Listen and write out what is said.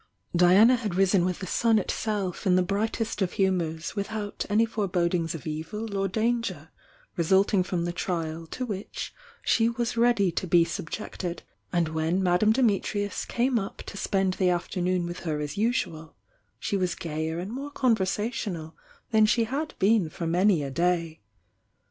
Diana had risen with the sun itself in the brightest of humours without any forebodings of evil or danger resulting from the trial to which she was ready to be subjected, and when Madame Dimi trius came up to spend the afternoon with her as usual, she was gayer and more conversational than she had been for m: Jiy a day.